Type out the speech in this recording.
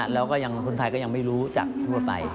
แล้วก็คนไทยก็ยังไม่รู้จักทั่วไป